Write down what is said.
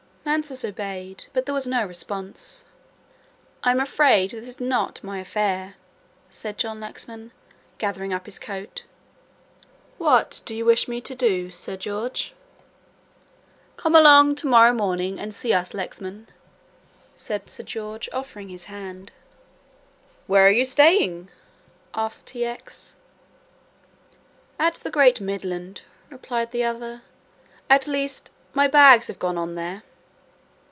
Mansus obeyed, but there was no response. "I am afraid this is not my affair," said John Lexman gathering up his coat. "What do you wish me to do, Sir George?" "Come along to morrow morning and see us, Lexman," said Sir George, offering his hand. "Where are you staying!" asked T. X. "At the Great Midland," replied the other, "at least my bags have gone on there."